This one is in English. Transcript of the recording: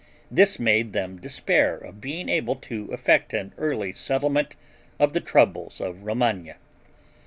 This made them despair of being able to effect an early settlement of the troubles of Romagna.